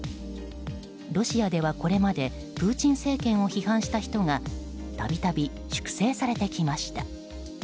ロシアではこれまでプーチン政権を批判した人が度々、粛清されてきました。